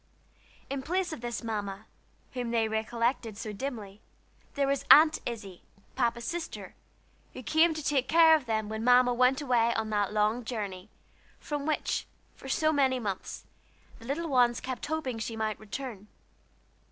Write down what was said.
In place of this Mamma, whom they recollected so dimly, there was Aunt Izzie, Papa's sister, who came to take care of them when Mamma went away on that long journey, from which, for so many months, the little ones kept hoping she might return.